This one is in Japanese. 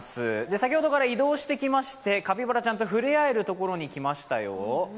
先ほどから移動してきましてカピバラちゃんと触れ合える所に来ましたよ。